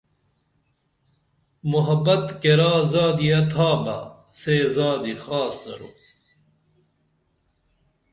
محبت کیرا زادیہ تھابہ سے زادی خاص درو